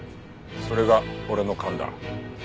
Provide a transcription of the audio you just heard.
それが俺の勘だ。